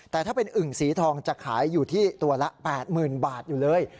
แต่ถ้าเป็นอึ่งสีทองจะขายอยู่ที่ตัวละ๘๐๐๐บาทอยู่เลย